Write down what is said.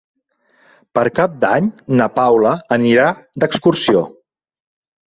Per Cap d'Any na Paula anirà d'excursió.